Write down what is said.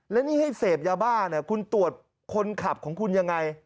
และนี่ให้เสพยาบ้าเนี่ยคุณตรวจคนขับของคุณยังไง